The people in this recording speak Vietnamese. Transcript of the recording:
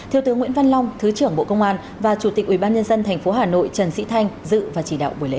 thiếu tướng nguyễn văn long thứ trưởng bộ công an và chủ tịch ubnd tp hà nội trần sĩ thanh dự và chỉ đạo buổi lễ